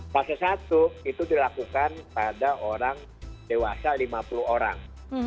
fase satu itu dilakukan pada orang dewasa lima puluh orang